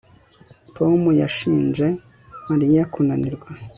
Tom yashinje Mariya kunanirwa